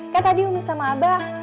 kan tadi umi sama abah